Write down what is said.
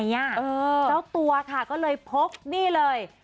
เจ้าตัวค่ะก็เลยพกนี่เลย